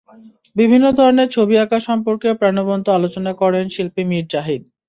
বিভিন্ন ধরনের ছবি আঁকা সম্পর্কে প্রাণবন্ত আলোচনা করেন শিল্পী মীর জাহিদ।